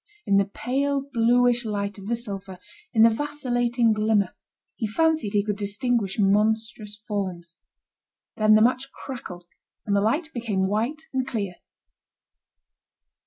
In the pale bluish light of the sulphur, in the vacillating glimmer, he fancied he could distinguish monstrous forms. Then the match crackled, and the light became white and clear.